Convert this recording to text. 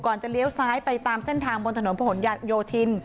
จะเลี้ยวซ้ายไปตามเส้นทางบนถนนพระหลโยธิน